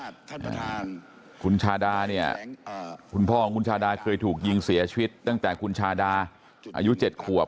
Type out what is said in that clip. คุณชาดาเนี่ยคุณพ่อของคุณชาดาเคยถูกยิงเสียชีวิตตั้งแต่คุณชาดาอายุเจ็ดขวบ